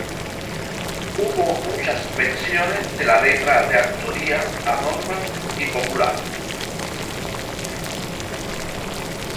Hubo muchas versiones de la letra de autoría anónima y popular.